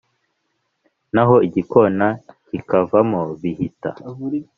naho igikona kikavoma bihita.